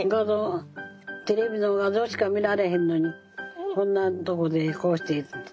テレビの画像しか見られへんのにこんなとこでこうして。